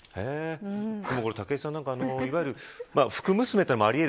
武井さん、いわゆる福娘というのもあり得る。